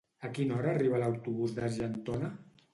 A quina hora arriba l'autobús d'Argentona?